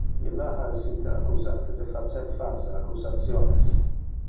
Illa ha essite accusate de facer false accusationes.